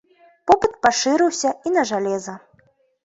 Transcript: Попыт пашырыўся і на жалеза.